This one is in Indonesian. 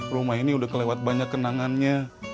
rumah ini udah kelewat banyak kenangannya